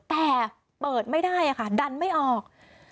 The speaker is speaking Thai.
แต่เปิดไม่ได้ค่ะดันไม่ออก